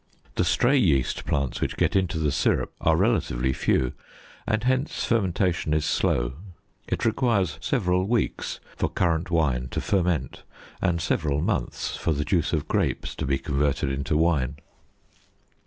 The stray yeast plants which get into the sirup are relatively few, and hence fermentation is slow; it requires several weeks for currant wine to ferment, and several months for the juice of grapes to be converted into wine.